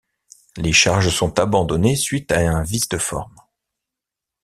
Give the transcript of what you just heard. Les charges sont abandonnées suite à un vice de forme.